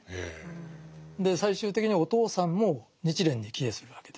で最終的にはお父さんも日蓮に帰依するわけです。